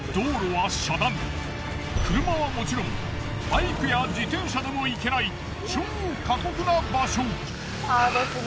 車はもちろんバイクや自転車でも行けない超過酷な場所！